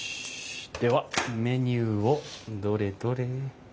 ではメニューをどれどれ？